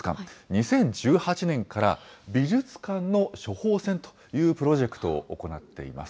２０１８年から美術館の処方箋というプロジェクトを行っています。